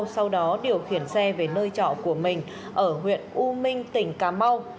sau đó điều khiển xe về nơi trọ của mình ở huyện u minh tỉnh cà mau